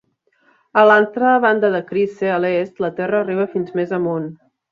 A l'altra banda de Chryse, a l'est, la terra arriba fins més amunt.